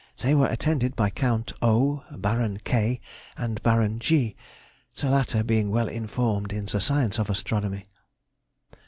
They were attended by Count O——, Baron K——, and Baron G——. The latter being well informed in the science of astronomy.